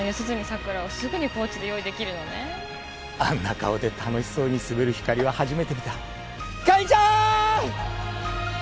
さくらをすぐにコーチで用意できるのねあんな顔で楽しそうに滑るひかりは初めて見たひかりちゃん！